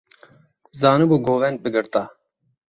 Zanîbû govend bigirta.